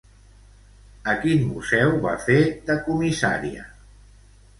A quin museu va fer de comissària?